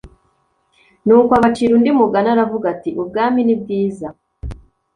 Nuko abacira undi mugani aravuga ati Ubwami ni bwiza